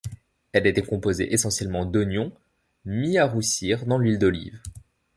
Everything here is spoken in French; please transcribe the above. Elle était composée essentiellement d'oignons mis à roussir dans l'huile d'olive.